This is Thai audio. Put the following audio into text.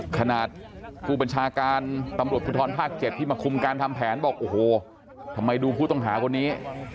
ขณะเดียวกันผู้บัญชาการตำรวจภูทรภาค๗ที่มาคุมการทำแผนบอกโอ้โหทำไมดูผู้ต้องหาคนนี้